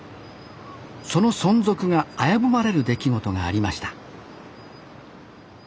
その存続が危ぶまれる出来事がありました